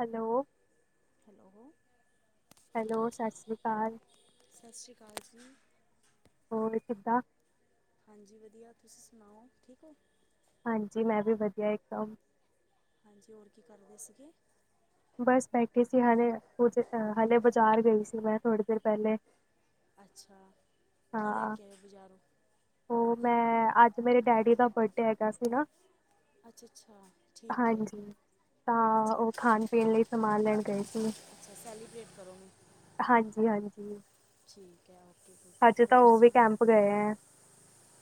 Hello hello hello, ਸਾਸਰੀ ਕਾਲ। ਸਾਸਰੀ ਕਾਲ ਜੀ। ਹੋਰ ਕਿੱਦਾਂ ਹਾਂਜੀ, ਵਦੀਆ ਤੁਸੀ ਸੁਨਾਓ, ਠੀਕ ਓ। ਹਾਂਜੀ, ਮੈਂ ਵੀ ਵਧੀਆ ਏਕਦਮ ਹਾਂਜੀ, ਹੋਰ ਕੀ ਕਰਦੇ ਸੀਗੇ? ਬੱਸ ਬੈਠੇ ਸੀ ਹੱਲੇ, ਪੋਚੇ ਹੱਲੇ ਬਾਜ਼ਾਰ ਗਈ ਸੀ ਮੈਂ ਥੋੜੀ ਦੇਰ ਪੈਲੇ ਅੱਛਾ, ਕੀ ਲੈਕੇ ਆਏ ਓ ਬਜ਼ਾਰੋ? ਓ ਮੈਂ ਅੱਜ ਮੇਰੇ ਡੈਡੀ ਦਾ ਬਰਡੇ ਹੈਗਾ ਸੀ ਨਾ। ਅੱਛਾ-ਅੱਛਾ ਠੀਕ ਏ, ਅੱਛਾ ਖਾਨ-ਪੀਣ ਲਈ ਸਮਾਨ ਲੈਨ ਗਏ ਸੀਗੇ। ਅੱਛਾ, ਸੈਲੀਬ੍ਰੇਟ ਕਰੋਂਗੇ। ਹਾਂਜੀ-ਹਾਂਜੀ। ਠੀਕ ਐ, ਓਕੇ ਫਿਰ, ਹੋਰ ਵੀ ਸੁਨਾ ਕੈਂਪ ਗਏ ਹੈ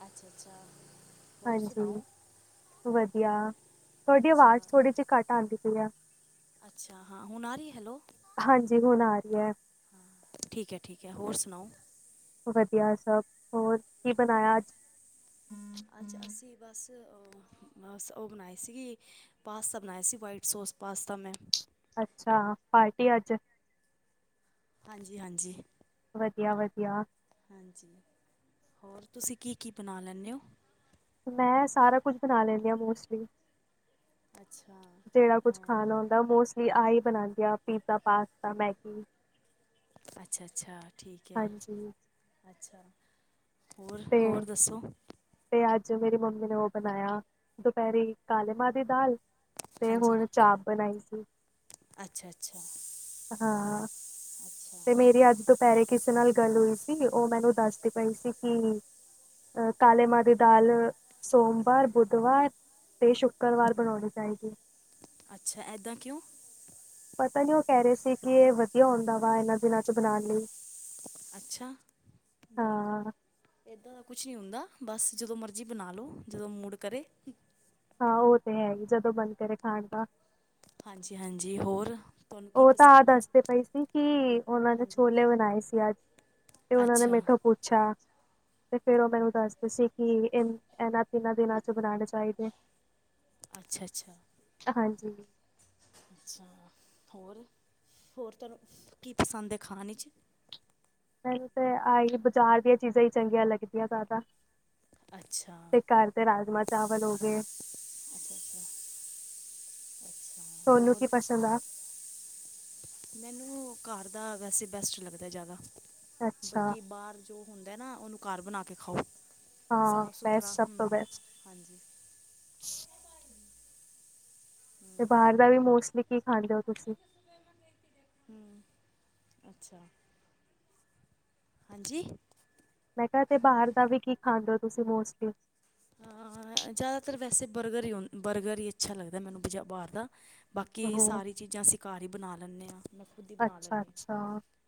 ਅੱਛਾ-ਅੱਛਾ, ਹੋਰ ਸੁਨਾਓ? ਵਦੀਆ, ਤੋਆਡੀ ਅੱਛਾ ਆਵਾਜ਼ ਥੋੜੀ ਜੀ ਘੱਟ ਆਂਦੀ ਪਈ ਆ। ਅੱਛਾ ਹਾਂ ਹੁਣ ਆ ਰੀਏ, ਹੈਲੋ ਹਾਂਜੀ, ਹੁਨ ਆ ਰੀਐ। ਹਾਂ ਠੀਕ ਐ-ਠੀਕ ਐ, ਹੋਰ ਸੁਨਾਓ? ਵਧੀਆ ਸਭ ਹੋਰ ਕੀ ਬਣਾਇਆ ਅੱਜ? ਅੱਜਾ਼ ਅਸੀਂ ਬਸ ਅ ਬ ਉਹ ਬਣਾਈ ਸੀਗੀ ਪਾਸਤਾ ਬਣਾਯਾ ਸੀ ਵਾਈਟ ਸੋਸ ਪਾਸਤਾ ਮੈਂ। ਅੱਛਾ ਪਾਰਟੀ ਅੱਜ। ਹਾਂਜੀ-ਹਾਂਜੀ। ਵਧੀਆ-ਵਧੀਆ। ਹਾਂਜੀ ਹੋਰ ਤੁਸੀਂ ਕੀ-ਕੀ ਬਣਾ ਲੈਂਣੇ ਹੋ? ਮੈਂ ਸਾਰਾ ਕੁਝ ਬਣਾ ਲੈਂਦੀ ਹਾਂ, ਮੋਸਟਲੀ। ਅੱਛਾ, ਅ ਤਾਂ ਮੋਸਟਲੀ ਆਈ ਬਨਾਂਦੇ ਆ, ਪੀਜ਼ਾ, ਪਾਸਤਾ, ਮੈਗੀ ਅੱਛਾ-ਅੱਛਾ ਠੀਕ ਐ, ਹਾਂਜੀ, ਅੱਛਾ। ਤੇ ਹੋਰ-ਹੋਰ ਦੱਸੋ? ਤੇ ਅੱਜ ਮੇਰੀ ਮੰਮੀ ਨੇ ਓ ਬਨਾਯਾ ਦੁਪਿਹਰੇ ਕਾਲੇ ਮਾਂਹ ਦੀ ਦਾਲ ਤੇ ਹੁਣ ਚਾਹ ਬਨਾਈ ਸੀ। ਅੱਛਾ-ਅੱਛਾ। ਹਾਂ, ਤੇ ਮੇਰੀ ਅੱਜ ਤੋ ਦੁਪਿਹਰੇ ਕਿਸੇ ਨਾਲ ਗੱਲ ਹੋਈ ਸੀ, ਓ ਮੈਨੂੰ ਦੱਸਦੇ ਪਏ ਸੀ ਕਿ ਅ ਕਾਲੇ ਮਾਂਹ ਦੀ ਦਾਲ ਸੋਮਵਾਰ, ਬੁੱਧਵਾਰ ਤੇ ਸ਼ੁੱਕਰਵਾਰ ਬਣਾਉਣੀ ਚਾਈਦੀ ਐ। ਅੱਛਾ, ਐਦਾਂ ਕਿਉਂ? ਪਤਾ ਨੀ, ਓ ਕਹਿ ਰਹੇ ਸੀ। ਕਿ ਇਹ ਵਧੀਆ ਹੁੰਦਾ ਵਾ ਏਨਾਂ ਦਿਨਾਂ ਚ ਬਣਾਣ ਲਈ। ਅੱਛਾ। ਹਾਂ। ਏਦਾਂ ਦਾ ਕੁਛ ਨਹੀਂ ਹੁੰਦਾ, ਬਸ ਜਦੋਂ ਮਰਜ਼ੀ ਬਣਾ ਲਓ, ਜਦੋਂ ਮੂਡ ਕਰੇ। ਹਾਂ, ਓ ਤੇ ਹੈ ਈ ਜਦੋਂ ਮਨ ਕਰੇ ਖਾਣ ਦਾ। ਹਾਂਜੀ-ਹਾਂਜੀ ਹੋਰ। ਤੁਹਾਨੂੰ ਕੀ ਓ ਤਾਂ ਆਹ ਪਸੰਦ ਏ? ਦੱਸਦੇ ਪਏ ਸੀ, ਕਿ ਓਨਾ ਨੇ ਹਾਂਜੀ। ਛੋਲੇ ਬਣਾਏ ਸੀ ਅੱਜ। ਤੇ ਓਨਾਂ ਨੇ ਅੱਛਾ ਮੇਥੋ ਪੁੱਛਾ। ਤੇ ਫੇਰ ਉਹ ਮੈਨੂੰ ਦੱਸਦੇ ਸੀ। ਕਿ ਇਹਨਾਂ ਤਿੰਨਾ ਦਿਨਾਂ ਚ ਬਣਾਣੇ ਚਾਹੀਦੇ। ਅੱਛਾ-ਅੱਛਾ। ਹਾਂਜੀ ਅੱਛਾ, ਹੋਰ ਹੋਰ ਤੁਹਾਨੂੰ ਕੀ ਪਸੰਦ ਐ ਖਾਣੇ ਵਿੱਚ। ਮੈਨੂੰ ਤੇ ਆਈ ਬਾਜ਼ਾਰ ਦੀਆਂ ਚੀਜ਼ਾਂ ਈ ਚੰਗੀਆਂ ਲੱਗਦੀਆਂ। ਜ਼ਿਆਦਾ ਅੱਛਾ। ਤੇ ਕਰ ਰਾਜਮਾ-ਚਾਵਲ ਹੋਗੇ। ਅੱਛਾ, ਅੱਛਾ, ਅੱਛਾ ਹੋਰ। ਚੰਗਾ। [inaudible] ਮੈਨੂੰ ਘਰ ਦਾ ਵੈਸੇ ਬੈਸਟ ਲੱਗਦਾ ਜ਼ਿਆਦਾ ਅੱਛਾ ਬਾਕੀ ਬਾਹਰ। ਜੋ ਹੁੰਦਾ ਨਾ, ਉਹਨੂੰ ਘਰ ਬਣਾ ਕੇ ਖਾਓ ਹਾਂ ਸਾਫ ਬੈਸਟ ਸੁਥਰਾ ਸਭ ਤੋਂ ਬੈਸਟ ਹਾਂਜੀ। [unintelligible] ਤੇ ਬਾਰ ਦਾ ਵੀ ਮੋਸਟਲੀ ਕੀ ਖਾਂਦੇ ਓ ਤੁਸੀਂ? ਹੂੰ, ਅੱਛਾ। ਹਾਂਜੀ। ਮੈਂ ਕਿਹਾ ਤੇ ਬਾਹਰ ਦਾ ਵੀ ਕੀ ਖਾਂਦੇ ਓ, ਤੁਸੀਂ ਮੋਸਟਲੀ। ਆ ਜ਼ਿਆਦਾਤਰ ਵੈਸੇ ਬਰਗਰ ਈ ਬਰਗਰ ਈ ਅੱਛਾ ਲੱਗਦਾ। ਮੈਨੂੰ ਬਾਹਰ ਦਾ ਬਾਕੀ ਉਹ ਸਾਰੀ ਚੀਜ਼ਾਂ ਅਸੀਂ ਘਰ ਈ ਬਣਾ ਲੈਂਣੇ ਆ। ਅੱਛਾ, ਅੱਛਾ,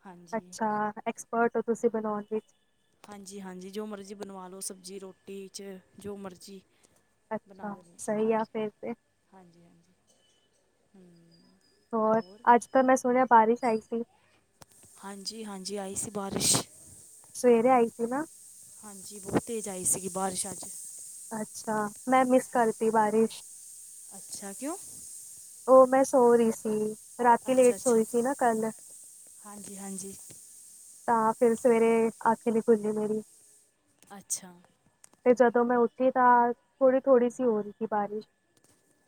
ਹਾਂਜੀ ਅੱਛਾ ਐਕਸਪਰਟ ਓ ਤੁਸੀਂ ਬਣਾਉਣ ਵਿੱਚ। ਹਾਂਜੀ-ਹਾਂਜੀ ਜੋ ਮਰਜ਼ੀ ਬਣਵਾ ਲਓ, ਸਬਜ਼ੀ ਰੋਟੀ ਚ ਜੋ ਮਰਜ਼ੀ। ਬਣਾ ਅੱਛਾ ਦਿਨੀ ਸਹੀ ਆ ਹਾਂਜੀ, ਫੇਰ ਤੇ ਹਾਂਜੀ, ਹਾਂਜੀ ਹੂੰ। ਹੋਰ ਅੱਜ ਤਾਂ ਮੈਂ ਸੁਣਿਆ ਬਾਰਿਸ਼ ਆਈ ਸੀ। ਹਾਂਜੀ-ਹਾਂਜੀ ਆਈ ਸੀ। ਬਾਰਿਸ਼ ਸਵੇਰੇ ਆਈ ਸੀ ਨਾ। ਹਾਂਜੀ, ਬਹੁਤ ਤੇਜ਼ ਆਈ ਸੀਗੀ ਬਾਰਿਸ਼ ਅੱਜ। ਅੱਛਾ, ਮੈਂ ਮਿਸ ਹਾਂ ਕਰਤੀ ਬਾਰਿਸ਼। ਅੱਛਾ, ਕਿਉਂ? ਓ ਮੈਂ ਸੋ ਰਹੀ ਸੀ। ਰਾਤੀ ਲੇਟ ਸੋਈ ਸੀ, ਨਾ ਕੱਲ ਹਾਂਜੀ-ਹਾਂਜੀ। ਤਾਂ ਫੇਰ ਸਵੇਰੇ ਅੱਖ ਈ ਨੀ ਖੁੱਲੀ ਮੇਰੀ ਅੱਛਾ। ਤੇ ਜਦੋਂ ਮੈਂ ਉੱਠੀ ਤਾਂ ਥੋੜ੍ਹੀ-ਥੋੜ੍ਹੀ ਸੀ ਹੋ ਰਹੀ ਸੀ। ਬਾਰਿਸ਼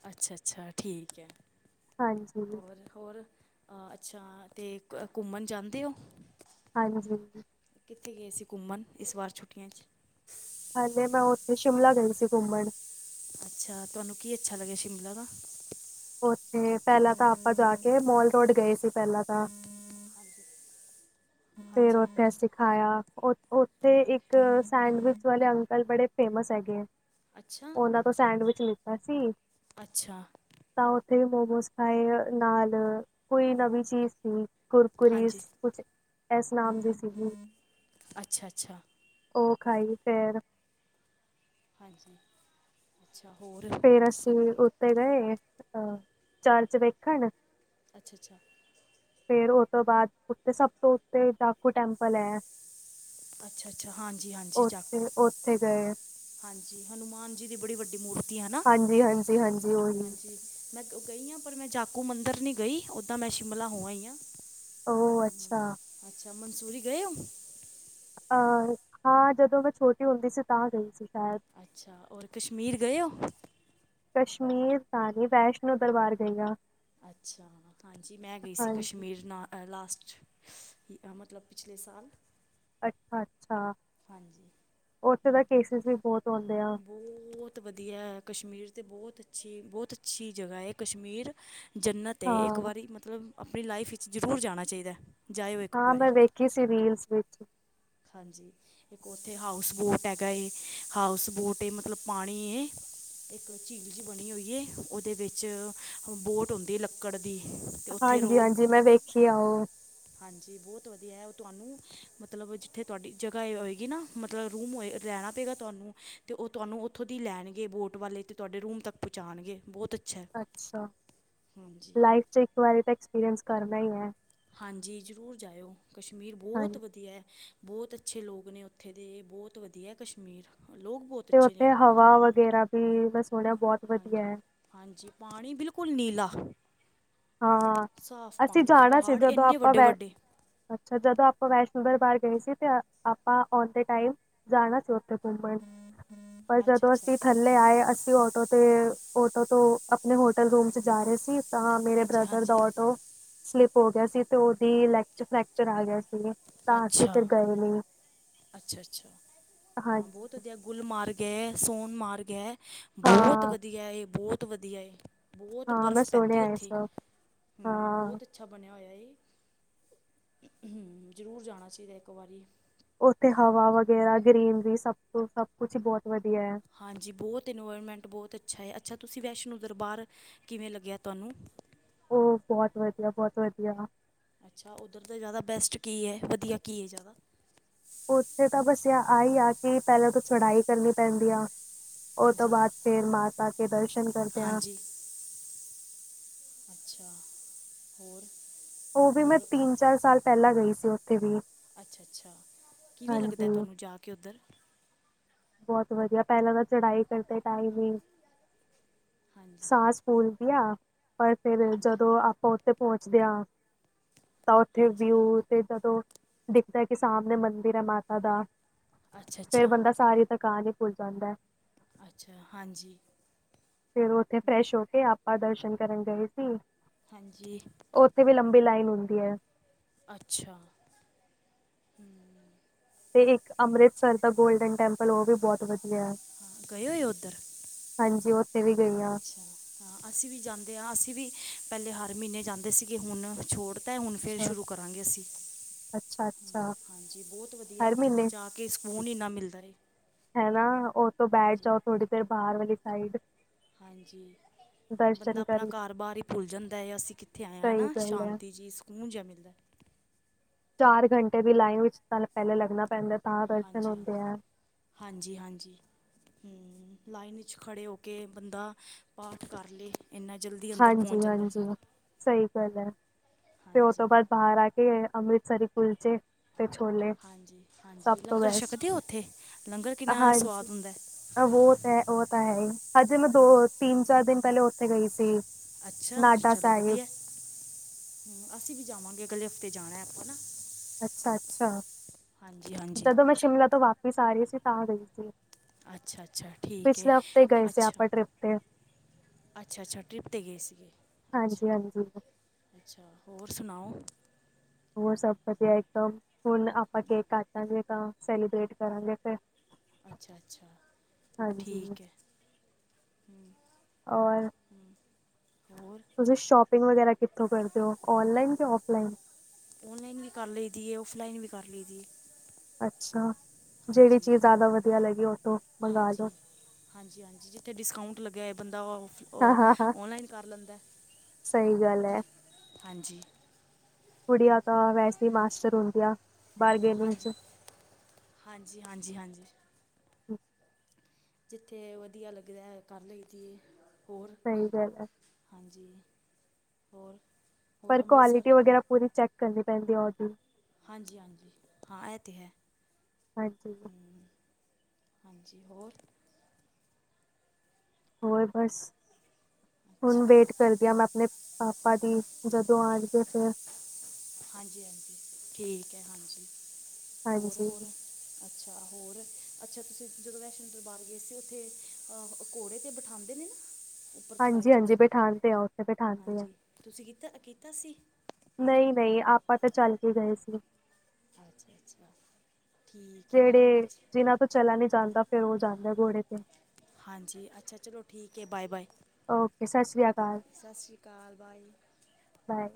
ਅੱਛਾ- ਅੱਛਾ, ਠੀਕ ਹੈ। ਹਾਂਜੀ, ਹੋਰ- ਹੋਰ? ਅ, ਅੱਛਾ ਤੇ ਘੁੰਮਣ ਜਾਂਦੇ ਹੋ? ਹਾਂਜੀ। ਕਿੱਥੇ ਗਏ ਸੀ, ਘੁੰਮਣ ਇਸ ਵਾਰ ਛੁੱਟੀਆਂ ਚ? ਹਾਂਜੀ, ਮੈਂ ਉੱਥੇ, ਸ਼ਿਮਲਾ ਗਈ ਸੀ, ਘੁੰਮਣ। ਅੱਛਾ, ਤੁਹਾਨੂੰ ਕੀ ਅੱਛਾ, ਲੱਗਿਆ ਸ਼ਿਮਲਾ ਦਾ? ਉੱਥੇ, ਪਹਿਲਾਂ ਤਾਂ ਆਪਾਂ ਜਾ ਕੇ, ਮੋਲ ਰੋਡ ਗਏ ਸੀ, ਪਹਿਲਾਂ ਤਾਂ। ਹਾਂਜੀ ਫੇਰ ਹਾਂਜੀ ਉੱਥੇ ਅਸੀ ਖਾਇਆ, ਉੱਥੇ ਹਾਂਜੀ ਇੱਕ ਸੈਂਡਵਿਚ ਵਾਲੇ ਅੰਕਲ ਬੜੇ ਫੇਮਸ ਹੈਗੇ ਹੈ, ਅੱਛਾ ਉਹਨਾਂ ਤੋਂ ਸੈਂਡਵਿਚ ਲਿੱਤਾ ਸੀ। ਅੱਛਾ। ਤਾਂ, ਉੱਥੇ ਮੋਮੋਸ ਖਾਏ, ਨਾਲ ਕੋਈ ਹਾਂ, ਨਵੀਂ ਚੀਜ਼ ਸੀ। ਹਾਂਜੀ ਕੁਰਕਰੀਸ, ਕੁਛ ਇਸ ਨਾਮ ਦੀ ਸੀਗੀ। ਅੱਛਾ ਅੱਛਾ ਉਹ, ਖਾਈ ਫੇਰ। ਹਾਂਜੀ, ਅੱਛਾ ਹੋਰ? ਫੇਰ, ਅਸੀਂ ਉੱਤੇੇ ਗਏ ਅ, ਚਰਚ ਵੇਖਣ। ਅੱਛਾ -ਅੱਛਾ। ਫੇਰ, ਉਸ ਤੌਂ ਬਾਅਦ, ਉੱਤੇ ਸਭ ਤੋਂ ਉੱਤੇ ਜਾਖੂ ਟੈਂਪਲ ਹੈ। ਅੱਛਾ- ਅੱਛਾ, ਹਾਂਜੀ -ਹਾਂਜੀ, ਜਾਖੂ ਉੱਥੇ ਉੱਥੇ ਗਏ ਹਾਂਜੀ, ਹਨੂੰਮਾਨ ਜੀ ਦੀ, ਬੜੀ ਵੱਡੀ ਮੂਰਤੀ, ਹੈਨਾ, ਹਾਂਜੀ ਹਾਂਜੀ ਹਾਂਜੀ ਉਹੀ ਹਾਂਜੀ ਮੈਂ ਗਈ ਹਾਂ, ਪਰ ਮੈਂ ਜਾਕੂ ਮੰਦਿਰ ਨਹੀਂ ਗਈ, ਓਦਾਂ ਮੈਂ ਸ਼ਿਮਲਾ ਹੋ ਆਈ ਹਾਂ। ਉਹ ਅੱਛਾ ਅੱਛਾ, ਮਨਸੂਰੀ ਗਏ ਹੋ? ਅਹ, ਹਾਂ ਜਦੋਂ ਮੈਂ ਛੋਟੀ ਹੁੰਦੀ ਸੀ, ਤਾਂ ਗਈ ਸੀ ਸ਼ਾਇਦ। ਅੱਛਾ, ਹੋਰ ਕਸ਼ਮੀਰ ਗਏ, ਓ? ਕਸ਼ਮੀਰ, ਤਾਂ ਨਹੀਂ, ਵੈਸ਼ਨੋ ਦਰਬਾਰ ਗਈ ਆ। ਅੱਛਾ, ਹਾਂਜੀ ਮੈਂ ਗਈ ਸੀ, ਹਾਂਜੀ ਕਸ਼ਮੀਰ ਨਾਲ ਲਾਸਟ, ਮਤਲਬ ਪਿਛਲੇ ਸਾਲ। ਅੱਛਾ- ਅੱਛਾ। ਹਾਂਜੀ, ਉੱਥੇ ਬਹੁ, ਤਾਂ ਬਹੁਤ। ਕੇਸਿਸ ਵੀ ਬਹੁਤ ਆਉਂਦੇ ਆ ਬਹੁਤ ਵਧੀਆ, ਕਸ਼ਮੀਰ ਤੇ ਬਹੁਤ ਅੱਛੀ, ਬਹੁਤ ਅੱਛੀ ਜਗ੍ਹਾ ਹੈ, ਕਸ਼ਮੀਰ ਜੰਨਤ ਏ ਇੱਕ ਹਾਂ ਵਾਰੀ ਮਤਲਬ, ਆਪਣੀ ਲਾਈਫ ਵਿੱਚ ਜ਼ਰੂਰ ਜਾਣਾ ਚਾਹੀਦਾ। ਜਾਇਓ ਇੱਕ ਹਾਂ, ਵਾਰੀ ਮੈਂ ਵੇਖੀ ਸੀ, ਰੀਲਸ ਵਿੱਚ ਹਾਂਜੀ। ਇੱਕ, ਉੱਥੇ ਹਾਊਸ ਬੋਟ ਹੈਗਾ ਏ, ਹਾਊਸ ਬੋਟ ਏ, ਮਤਲਬ ਪਾਣੀ ਏ। ਇੱਕ, ਝੀਲ ਜੀ ਬਣੀ ਹੋਈ ਹੈ, ਉਹਦੇ ਵਿੱਚ ਬੋਟ ਹੁੰਦੀ ਲੱਕੜ ਦੀ,,,? ਤੇ ਉੱਥੇ ਹਾਂਜੀ- ਰਹੋ ਹਾਂਜੀ, ਮੈਂ ਵੇਖੀ ਆ, ਉਹ ਹਾਂਜੀ, ਬਹੁਤ ਵਧੀਆ ਹੈ, ਉਹ ਤੁਹਾਨੂੰ ਮਤਲਬ ਉੱਥੇ, ਤੁਹਾਡੀ ਜਗ੍ਹਾ ਹੋਏਗੀ ਨਾ, ਮਤਲਬ, ਰੂਮ ਹੋਏ ਰਹਿਣਾ ਪਏਗਾ, ਤੁਹਾਨੂੰ ਤੇ ਉਹ ਤੁਹਾਨੂੰ ਉ ਉੱਥੋਂ ਦੀ ਲੈਣਗੇ, ਬੋਟ ਵਾਲੇ ਤੇ ਤੁਹਾਡੇ ਰੂਮ ਤੱਕ ਪਹੁੰਚਾਉਣਗੇ ਬਹੁਤ ਅੱਛ ਅੱਛਾ, ਲਾਈਫ ਚ ਇੱਕ ਵਾਰੀ ਤਾਂ ਐਕਸਪੀਰੀਅੰਸ ਕਰਨਾ ਹੀ ਹੈ ਹਾਂਜੀ, ਜ਼ਰੂਰ ਜਾਇਓ, ਕਸ਼ਮੀਰ ਬਹੁਤ ਹਾਂਜੀ ਵਧੀਆ ਹੈ ਬਹੁਤ ਅੱਛੇ ਲੋਕ ਨੇ, ਉੱਥੇ ਦੇ,, ਬਹੁਤ ਵਧੀਆ ਐ ਕਸ਼ਮੀਰ, ਲੋਕ ਬਹੁਤ ਤੇ ਅੱਛੇ ਨੇ ਉੱਥੇ ਹਵਾ, ਵਗੈਰਾ ਵੀ, ਮੈਂ ਸੁਣਿਆ ਬਹੁਤ ਹਾਂਜੀ- ਵਧੀਆ ਹੈ ਹਾਂਜੀ, ਪਾਣੀ ਬਿਲਕੁਲ ਨੀਲਾ। ਹਾਂ ਸਾਫ ਅਸੀਂ ਪਾਣੀ, ਜਾਣਾ ਸੀ ਪਹਾੜ ਜਦੋਂ ਇੰਨੇ, ਆਪਾਂ ਵੈ ਵੱਡੇ--ਵੱਡੇ। ਅੱਛਾ, ਜਦੋਂ ਆਪਾਂ ਵੈਸ਼ਨੋ ਦਰਬਾਰ ਗਏ ਸੀ, ਤੇ, ਆਪਾਂ ਆਉਂਦੇ ਟਾਈਮ ਜਾਣਾ ਸੀ ਉ ਪਰ ਘੁਮੰਣ, ਪਰ ਅੱਛਾ ਜਦੋਂ,, ਅੱਛਾ ਅਸੀ ਥੱਲੇ ਆਏ ਅਸੀ ਤੇ ਔਟੋ ਤੇ, ਔਟੋ ਤੋਂ, ਆਪਣੇ ਹੋਟਲ ਰੂਮ 'ਚ ਜਾ ਰਹੇ ਸੀ। ਤਾਂ ਮੇਰੇ ਹਾਂਜੀ ਬ੍ਰਦਰ ਦਾ ਹਾਂਜੀ ਆਟੋ ਸਲਿਪ ਹੋ ਗਿਆ ਸੀ, ਤੇ ਉਹਦੀ ਲੈੱਗ 'ਚ ਫ੍ਰੈਕਚਰ ਆ ਗਿਆ ਸੀ। ਤਾਂ, ਅਸੀਂ ਫਿਰ ਗਏ ਨਹੀਂ। ਅੱਛਾ-ਅੱਛਾ, ਹਾਂ ਹਾਂਜੀ ਬਹੁਤ ਵਧੀਆ, ਗੁਲ ਮਾਰਗ ਐ, ਸੋਨ ਮਾਰਗ ਐ ਬੋਤ ਹਾਂ ਵਧੀਆ ਏ, ਬੋਤ ਵਧੀਆ ਏ। ਬੋਤ ਹਾਂ ਮੈਂ ਬਰਫ਼ ਪੈਂਦੀ ਸੁਣਿਆ ਇਹ ਓਥੇ ਸਭ ਹੂੰ, ਹਾਂ ਬੋਤ ਅੱਛਾ ਬਣੇਆ ਹੋਏਆ ਏ, ਜਰੂਰ ਜਾਣਾ ਚਾਈਦਾ ਇੱਕ ਵਾਰੀ। ਓਥੇ ਹਵਾ ਵਗੈਰਾ ਗ੍ਰਰੀਨਰੀ ਸਬ ਤੋਂ ਸਬ ਕੁੱਛ ਬੋਤ ਵਦੀਐ। ਹਾਂਜੀ ਬੋਤ ਇਨਵਾਏਰਮੈਂਟ ਬੋਤ ਅੱਛਾ ਏ, ਅੱਛਾ ਤੂਸੀ ਵੈਸ਼ਨੋ ਦਰਬਾਰ ਕਿਵੇਂ ਲੱਗੇਆ ਤੂਆਨੂੰ? ਉ ਬੋਹਤ ਵਦੀਆ, ਬੋਤ ਵਦੀਆ। ਅੱਛਾ ਓਧਰ ਦਾ ਜਾਦਾ ਬੈਸਟ ਕੀ ਐ, ਵਦੀਆ ਕੀ ਐ ਜਾਦਾ? ਉਥੇ ਤਾਂ ਬਾੱਸ ਆ ਈ ਆ ਕਿ ਪੈਲਾਂ ਤਾਂ ਚੜਾਈ ਕਰਨੀ ਪੈਂਦੀ ਆ। ਓ ਤੋਂ ਹਾਂਜੀ ਬਾਦ ਫੇਰ ਮਾਤਾ ਕੇ ਦਰਸ਼ਨ ਕਰਦੇਆਂ। ਹਾਂਜੀ [inaudible] ਅੱਛਾ। [inaudible] ਹੋਰ? ਉ ਵੀ ਮੈਂ ਹੋਰ ਤਿੰਨ-ਚਾਰ ਸਾਲ ਪੈਲਾਂ ਗਈ ਸੀ ਓ ਅੱਛਾ-ਅੱਛਾ, ਕਿਵੇਂ ਲੱਗਦੈ ਹਾਂਜੀ ਤੂਆਨੂੰ ਜਾ ਕੇ ਓਦਰ? ਬੋਤ ਵਦੀਆ ਪੈਲਾਂ ਤਾਂ ਚੜਾਈ ਕਰਦੇ ਟਾਈਮ ਈ, ਹਾਂਜੀ ਸਾਂਸ ਸੂਕੂਲ ਦੀਆਂ ਪਰ ਫੇਰ ਹਾਂਜੀ ਜਦੋਂ ਆਪਾਂ ਉਥੇ ਪਹੁੰਚਦੇ ਆਂ, ਤਾਂ ਓਥੇ ਹਾਂਜੀ ਵਿਊ ਤੇ ਜਦੋਂ, ਦੇਖਦਾ ਕਿ ਸਾਮਨੇ ਮੰਦਿਰ ਐ ਮਾਤਾ ਦਾ, ਅੱਛਾ ਫੇਰ ਅੱਛਾ ਬੰਦਾ ਸਾਰੀ ਥਕਾਨ ਈ ਭੁੱਲ ਜਾਂਦੈ। ਅੱਛਾ, ਹਾਂਜੀ। ਫਿਰ ਓਥੇ ਫਰੈਸ਼ ਹੋ ਕੇ ਆਪਾਂ ਦਰਸ਼ਨ ਕਰਨ ਗਏ ਸੀ। ਹਾਂਜੀ। ਓਥੇ ਵੀ ਲੰਬੀ ਲਾਈਨ ਹੁੰਦੀ ਐ। ਅੱਛਾ, ਹੂੰ। ਤੇ ਇੱਕ, ਅੰਮ੍ਰਿਤਸਰ ਦਾ ਗੋਲਡਨ ਟੈਂਪਲ, ਓ ਵੀ ਬੋਤ ਵਦ [inaudible] ਗਏ ਹੋਏ ਓਦਰ? ਹਾਂਜੀ, ਓ [inaudible] ਅੱਛਾ। ਹਾਂ, ਅਸੀ ਵੀ ਜਾਂਦੇ ਆ, ਅਸੀ ਵੀ ਪੈਲੇ ਹਰ ਮ੍ਹੀਨੇ ਜਾਂਦੇ ਸੀਗੇ, ਹੁਨ ਛੋੜ ਤੇ, ਹੁਣ ਫੇਰ ਅੱਛਾ ਸ਼ੁਰੂ ਕਰਾਂਗੇ ਅਸੀ, ਅੱਛਾ ਹੂੰ ਅੱਛਾ ਹਾਂਜੀ ਬੋਤ ਵਦੀਐ ਹਰ ਉਥੇ ਮਹੀਨੇ ਤੇ ਜਾ ਕਿ ਸਕੂਨ ਇੰਨਾ ਮਿਲਦਾ ਐ। ਹੈਨਾ, ਓਤੋ ਬੈਠ ਜਾਓ ਥੋੜੀ ਦੇਰ ਬਾਹਰ ਵਾਲੀ ਸਾਈਡ ਹਾਂਜੀ। ਬੰਦਾ ਆਪਨਾ ਘਾਰ ਬਾਰ ਈ ਭੁੱਲ ਜਾਂਦੈ, ਅਸੀ ਕਿੱਥੇ ਆਏ ਆਂ, ਸਹੀ ਹਨਾ ਗੱਲ ਹੈ ਸ਼ਾਂਤੀ ਜੀ ਸਕੂਨ ਜਾ ਮਿਲਦੈ। ਚਾਰ ਘੰਟੇ ਦੀ ਲਾਈਨ ਵਿੱਚ ਸਾਨ ਪੈਹਲੇ ਲੱਗਨਾ ਪੈਂਦੈ। ਹਾਂਜੀ, ਹਾਂਜੀ, ਹਾਂਜੀ, ਹਾਂਜੀ। ਹੂੰ, ਲਾਈਨ ਵਿੱਚ ਖੜੇ ਹੋ ਕੇ ਬੰਦਾ ਪਾਠ ਕਾਰ ਲੇ। ਇੰਨਾ ਜਲਦੀ ਅੰਦਰ ਹਾਂਜੀ, ਪਹੁੰਚ ਜਾਂਦਾ ਹਾਂਜੀ, ਸਈ ਗਲ ਐ, ਤੇ ਓ ਤੋਂ ਹਾਂਜੀ ਬਾਦ ਬਾਹਰ ਆ ਕੇ ਅੰਮ੍ਰਿਤਸਰੀ ਕੁਲਚੇ ਤੇ ਛੋਲੇ, ਹਾਂਜੀ ਸਬ ਹਾਂਜੀ ਤੋਂ ਲੰਗਰ ਬੈਸਟ, ਛਕਦੇ ਹੋ ਉੱਥੇ ਲੰਗਰ ਅ ਕਿੰਨਾ ਹਾਂਜੀ, ਸਵਾਦ ਹੁੰਦਾ ਅ ਬੋਤ ਤੇ ਓ ਤਾਂ ਹੈ ਈ, ਹਜੇ ਮੈਂ ਦੋ, ਹਾਂਜੀ ਤਿੰਨ, ਚਾਰ ਦਿਨ ਪੈਲੇ ਓਥੇ ਗਈ ਸੀ। ਅੱਛਾ, ਨਾਡਾ ਚਲੋ ਸਾਹਿਬ ਵਦੀਐ, ਹੂੰ ਅਸੀ ਵੀ ਜਾਵਾਂਗੇ ਅਗਲੇ [inaudible] ਤੇ ਜਾਣੈ ਆਪਾਂ ਨਾ ਅੱਛਾ ਅੱਛਾ ਹਾਂਜੀ, ਹਾਂਜੀ। ਜਦੋਂ ਮੈਂ ਸ਼ਿਮਲਾ ਤੋਂ ਵਾਪਿਸ ਆ ਰੀ ਸੀ, ਤਾਂ ਗਈ ਸੀ। ਅੱਛਾ, ਅੱਛਾ ਠੀਕੈ, ਪਿਛਲੇ ਹਫ਼ਤੇ ਗਏ ਸੀ ਅੱਛਾ। ਆਪਾਂ ਟ੍ਰਿਪ ਤੇ ਅੱਛਾ, ਅੱਛਾ ਟ੍ਰਿਪ ਤੇ ਗਏ ਸੀਗੇ, ਅੱਛਾ। ਹਾਂਜੀ ਹਾਂਜੀ ਅੱਛਾ, ਹੋਰ ਸੁਨਾਓ? ਹੋਰ ਸਬ ਵਦੀਆ ਐਕਦਮ, ਹੁਨ ਆਪਾਂ ਹਾਂ ਕੇਕ ਕਾਟਾਂਗੇ ਤਾਂ ਸੈਲੀਬ੍ਰੇਟ ਕਰਾਂਗੇ ਫੇਰ ਅੱਛਾ, ਅੱਛਾ ਠੀਕ ਐ। ਔਰ ਹੋਰ? ਤੁਸੀਂ, ਸ਼ੋਪਿੰਗ ਵਗੈਰਾ ਕਿੱਥੋਂ ਕਰਦੇ ਹੋ? ਔਨਲਾਈਨ ਕਿ ਔਫਲਾਈਨ? ਔਨਲਾਈਨ ਵੀ ਕਰ ਲਈਦੀ ਏ, ਆਫਲਾਈਨ ਵੀ ਕਰ ਲਈਦੀ ਏ ਅੱਛਾ, ਜਿਹੜੀ ਚੀਜ਼ ਜ਼ਿਆਦਾ ਵਧੀਆ ਲੱਗੀ, ਉਹ ਉਥੋਂ ਮੰਗਾ ਲਓ। ਹਾਂਜੀ-ਹਾਂਜੀ, ਜਿੱਥੇ ਡਿਸਕਾਊਂਟ ਲੱਗਿਆ, ਬੰਦਾ ਉਹ ਹਾਂ ਉਹ, ਹਾਂ ਹਾਂ ਔਨਲਾਈਨ ਕਰ ਲੈਂਦਾ, ਸਹੀ ਗੱਲ ਹੈ ਹਾਂਜੀ ਕੁੜੀਆਂ ਤਾਂ, ਵੈਸੇ ਹੀ ਮਾਸਟਰ ਹੁੰਦੀਆਂ। ਬਾਰਗੇਨਿੰਗ ਹਾਂਜੀ- ਚ ਹਾਂਜੀ, ਹਾਂਜੀ-ਹਾਂਜੀ। ਹੂੰ ਜਿੱਥੇ, ਵਧੀਆ ਲੱਗਦਾ, ਕਰ ਲਈਦੀ ਏ, ਹੋਰ? ਸਹੀ ਗੱਲ ਐ। ਹਾਂਜੀ, ਹੋਰ? ਹੋਰ ਪਰ, ਅੰਮ੍ਰਿਤਸਰ ਕੁਆਲਿਟੀ ਵਗੈਰਾ, ਪੂਰੀ ਚੈੱਕ ਕਰਨੀ ਪੈਂਦੀ ਹੈ, ਉਹਦੀ ਹਾਂਜੀ-ਹਾਂਜੀ, ਹਾਂ, ਇਹ ਤੇ ਹੈ। ਹਾਂਜੀ ਹੂੰ ਹਾਂਜੀ, ਹੋਰ? ਹੋਰ, ਬਸ, ਹੁਣ ਅੱਛਾ ਵੇਟ ਕਰਦੀ ਹਾਂ, ਮੈਂ ਆਪਣੇ ਪਾਪਾ ਦੀ। ਜਦੋਂ, ਆ ਜਾਵੇ ਫੇਰ? ਹਾਂਜੀ-ਹਾਂਜੀ, ਠੀਕ ਹੈ, ਹਾਂਜੀ, ਹਾਂਜੀ ਹੋਰ-ਹੋਰ? ਅੱਛਾ, ਹੋਰ ਅੱਛਾ, ਤੁਸੀਂ ਜਦੋਂ ਵੈਸ਼ਨੋ ਦਰਬਾਰ ਗਏ ਸੀ। ਉੱਥੇ ਘੋੜੇ ਤੇ ਬਿਠਾਉਂਦੇ ਨੇ, ਨਾ? [inaudible] ਹਾਂਜੀ-ਹਾਂਜੀ, ਚੜ੍ਹਦੀ ਬੈਠਾਣਦੇ ਆ, ਉੱਥੇ ਬੈਠਾਂਦੇ ਆ ਦਾ, ਕੀਤਾ ਸੀ। ਨਹੀਂ-ਨਹੀਂ, ਆਪਾਂ ਤਾਂ ਚੱਲ ਕੇ ਗਏ ਸੀ। ਅੱਛਾ-ਅੱਛਾ, ਠੀਕ ਹੈ। ਜਿਹੜੇ ਅੱਛਾ ਜਿਨ੍ਹਾਂ ਤੋਂ ਚਲਾ ਨੀ ਜਾਂਦਾ, ਫੇਰ ਉਹ ਜਾਂਦਾ ਘੋੜੇ ਤੇ ਹਾਂਜੀ ਅੱਛਾ ਚਲੋ ਠੀਕ ਹੈ। ਬਾਏ-ਬਾਏ, ਓਕੇ ਸਤਿ ਸ੍ਰੀ ਅਕਾਲ ਓਕੇ, ਸਤਿ ਸ੍ਰੀ ਅਕਾਲ ਬਾਏ। ਬਾਏ।